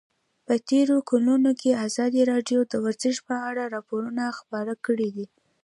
په تېرو کلونو کې ازادي راډیو د ورزش په اړه راپورونه خپاره کړي دي.